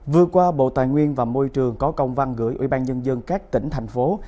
vừa qua bộ tài nguyên và môi trường có công văn gửi ủy ban nhân dân các tỉnh thành phố